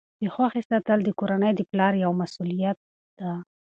د خوښۍ ساتل د کورنۍ د پلار یوه مسؤلیت ده.